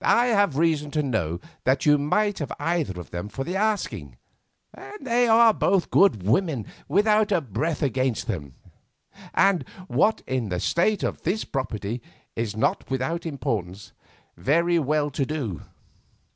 "I have reason to know that you might have either of them for the asking, and they are both good women without a breath against them, and, what in the state of this property is not without importance, very well to do.